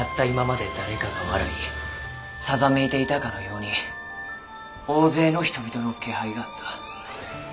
今まで誰かが笑いさざめいていたかのように大勢の人々の気配があった。